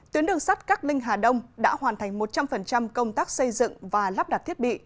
tuyến đường sắt cát linh hà đông đã hoàn thành một trăm linh công tác xây dựng và lắp đặt thiết bị